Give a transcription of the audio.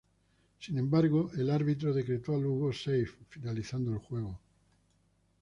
Sin embargo, el árbitro decretó a Lugo safe, finalizando el juego.